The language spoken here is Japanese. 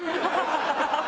ハハハハ！